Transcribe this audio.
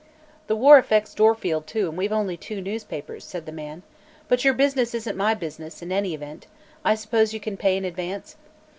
"The war affects Dorfield, too, and we've only two papers," said the man. "But your business isn't my business, in any event. I suppose you can pay in advance?"